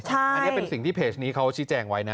อันนี้เป็นสิ่งที่เพจนี้เขาชี้แจงไว้นะ